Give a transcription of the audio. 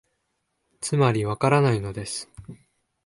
つまり、わからないのです